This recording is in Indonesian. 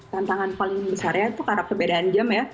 tantangan paling besarnya itu karena perbedaan jam ya